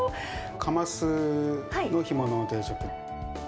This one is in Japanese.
カマスの干物の定食。